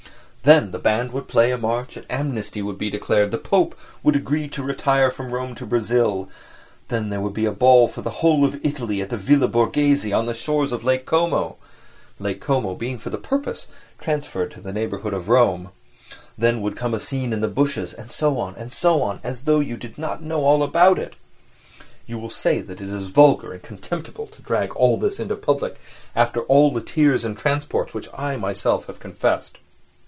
Then the band would play a march, an amnesty would be declared, the Pope would agree to retire from Rome to Brazil; then there would be a ball for the whole of Italy at the Villa Borghese on the shores of Lake Como, Lake Como being for that purpose transferred to the neighbourhood of Rome; then would come a scene in the bushes, and so on, and so on—as though you did not know all about it? You will say that it is vulgar and contemptible to drag all this into public after all the tears and transports which I have myself confessed.